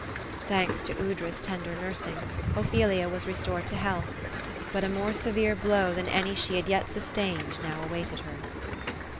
Thanks to Aoudra's tender nursing, Ophelia was restored to health. But a more severe blow, than any she had jet sustained, now awaited her.